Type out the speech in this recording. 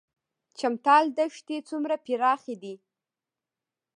چمتال دښتې څومره پراخې دي؟